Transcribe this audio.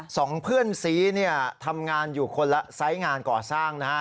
สองเพื่อนซีเนี่ยทำงานอยู่คนละไซส์งานก่อสร้างนะฮะ